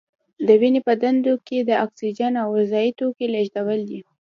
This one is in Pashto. د وینې په دندو کې د اکسیجن او غذايي توکو لیږدول دي.